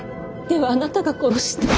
ではあなたが殺して。